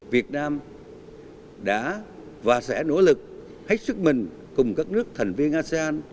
việt nam đã và sẽ nỗ lực hết sức mình cùng các nước thành viên asean